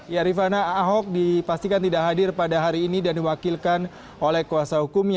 ya rifana ahok dipastikan tidak hadir pada hari ini dan diwakilkan oleh kuasa hukumnya